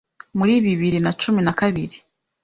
Muri bibiri na cumi na kabiri